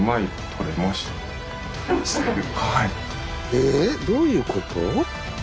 えどういうこと？